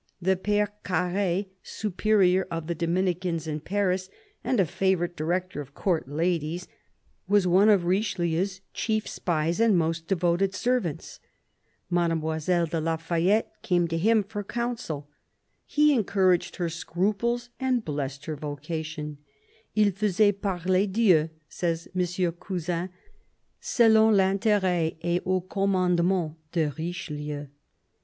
The Pere Carre, Superior of the Dominicans in Paris and a favourite director of Court ladies, was one of Richelieu's chief spies and most devoted servants. Mademoiselle de la Fayette came to him for counsel. He encouraged her scruples and blessed her vocation :" II faisait parler Dieu," says M. Cousin, " selon I'interet et au commandement de Richelieu."